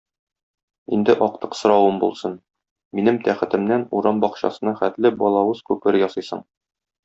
Инде актык соравым булсын: минем тәхетемнән урам бакчасына хәтле балавыз күпере ясыйсың.